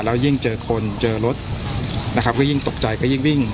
แล้วยิ่งเจอคนเจอรถนะครับก็ยิ่งตกใจก็ยิ่งวิ่ง